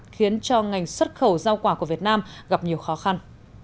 khiến cho ngành xuất khẩu giao quả của việt nam gặp nhiều khó khăn